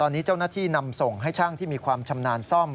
ตอนนี้เจ้าหน้าที่นำส่งให้ช่างที่มีความชำนาญซ่อม